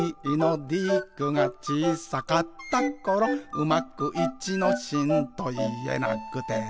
「うまく『いちのしん』といえなくて」